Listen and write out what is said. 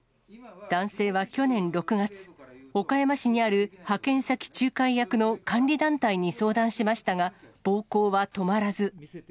男性は去年６月、岡山市にある派遣先仲介役の監理団体に相談しましたが、暴行は止まらず。